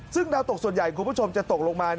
ซึ่งดาวตกส่วนใหญ่คุณผู้ชมจะตกลงมา